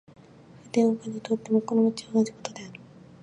筆を執とっても心持は同じ事である。